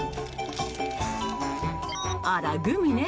あらグミね。